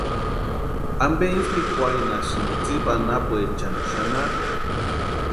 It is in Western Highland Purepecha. ¿Ampe intspikwarhinhasïni tsipa anapuechani xanharu?